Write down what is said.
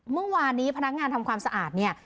เมื่อวานนี้พนักงานทำความสะอาดเนี่ย